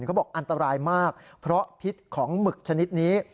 เขาบอกอันตรายมากเพราะพิษของหมึกชนิดนี้